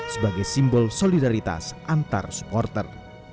sebagai simbol solidaritas antar supporter